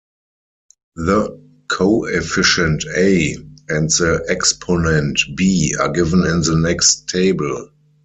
The coefficient a and the exponent b are given in the next table.